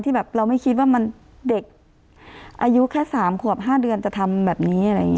แบบเราไม่คิดว่ามันเด็กอายุแค่๓ขวบ๕เดือนจะทำแบบนี้อะไรอย่างนี้